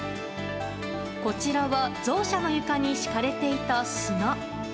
こちらはゾウ舎の床に敷かれていた砂。